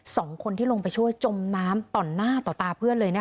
สองคนที่ลงไปช่วยจมน้ำต่อหน้าต่อตาเพื่อนเลยนะคะ